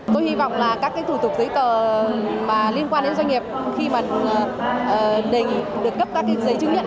tôi hy vọng là các thủ tục giấy tờ liên quan đến doanh nghiệp khi mà đề nghị được cấp các giấy chứng nhận